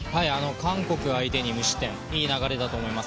韓国相手に無失点いい流れだと思います。